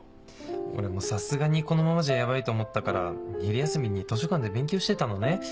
俺もさすがにこのままじゃヤバいと思ったから昼休みに図書館で勉強してたのね。